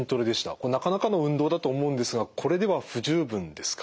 これなかなかの運動だと思うんですがこれでは不十分ですか？